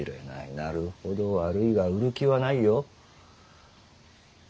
なるほど悪いが売る気はないよ。